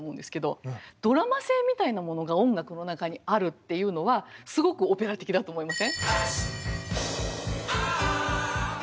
ドラマ性みたいなものが音楽の中にあるっていうのはすごくオペラ的だと思いません？